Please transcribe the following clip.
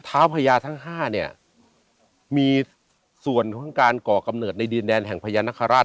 พญาทั้ง๕เนี่ยมีส่วนของการก่อกำเนิดในดินแดนแห่งพญานาคาราช